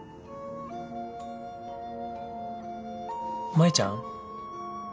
舞ちゃん。